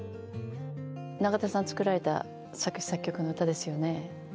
永田さん作られた作詞作曲の歌ですよね。